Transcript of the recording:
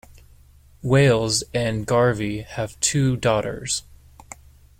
Wales and Garvey have two daughters.